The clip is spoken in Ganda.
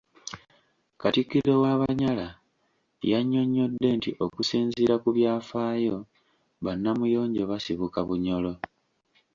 Katikkiro w'Abanyala yannyonnyodde nti okusinziira ku byafaayo, ba Namuyonjo basibuka Bunyoro.